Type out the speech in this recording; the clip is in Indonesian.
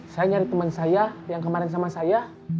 saya nyari teman saya yang kemarin sama saya